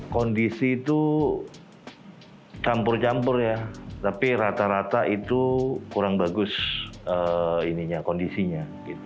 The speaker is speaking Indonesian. kondisi itu campur campur ya tapi rata rata itu kurang bagus kondisinya